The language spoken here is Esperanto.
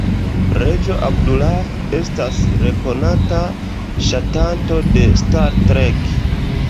Reĝo Abdullah estas rekonata ŝatanto de "Star Trek".